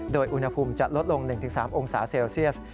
โดยอุณหภูมิจะลดลง๑๓องศาเซลเซียส